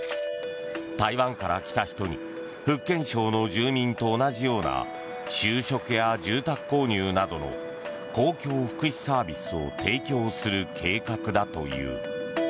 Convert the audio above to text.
台湾から来た人に福建省の住民と同じような就職や住宅購入などの公共福祉サービスを提供する計画だという。